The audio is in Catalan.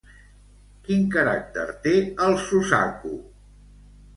Quin caràcter té el Suzaku?